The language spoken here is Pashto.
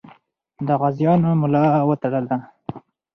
د غازیانو ملا وتړه.